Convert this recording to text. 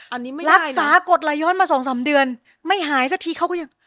อันนี้ไม่ได้นะรักษากฎละย้อนมา๒๓เดือนไม่หายสักทีเขาก็ยัง